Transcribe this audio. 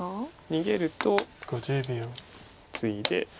逃げるとツイで。